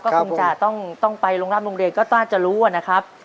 ก็คงจะต้องไปโรงรับโรงเรียนก็น่าจะรู้นะครับ